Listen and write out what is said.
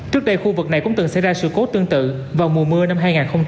trước đây khu vực này cũng từng xảy ra sự cố tương tự vào mùa mưa năm hai nghìn hai mươi